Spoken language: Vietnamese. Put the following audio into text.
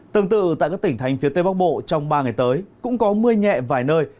tương tự tại các tỉnh thành phía tây bắc bộ trong ba ngày tới cũng có mưa nhẹ vài nơi